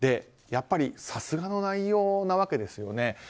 やっぱりさすがの内容なわけですよね。